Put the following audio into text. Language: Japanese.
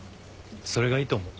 それがいいと思う。